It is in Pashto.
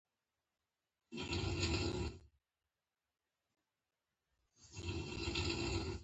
ایا زه باید ماشوم ته خواږه ورکړم؟